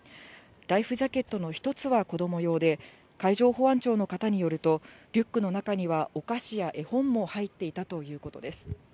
ライフジャケットの１つは子ども用で、海上保安庁の方によると、リュックの中にはお菓子や絵本も入っていたということです。